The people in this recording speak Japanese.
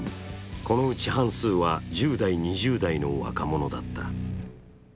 このうち半数は１０代、２０代の若者だった。